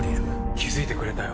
気付いてくれたよ